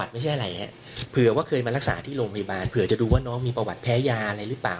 ไม่ใช่อะไรฮะเผื่อว่าเคยมารักษาที่โรงพยาบาลเผื่อจะดูว่าน้องมีประวัติแพ้ยาอะไรหรือเปล่า